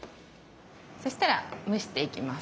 そしたら蒸していきます。